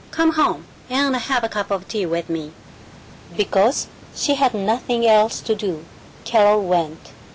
Come home and have a cup o' tea with me." Because she had nothing else to do, Carol went.